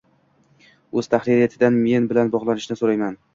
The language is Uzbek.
uz tahririyatidan men bilan bog'lanishini so'rayman